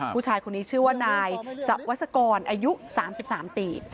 ผู้ชายคนนี้ชื่อว่านายสวัสกรอายุ๓๓ปี